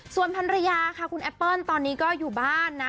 ส่วนพันรยาค่ะคุณแอปเปิ้ลตอนนี้ก็อยู่บ้านนะ